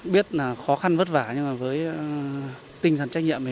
biết là khó khăn vất vả nhưng mà với tinh thần trách nhiệm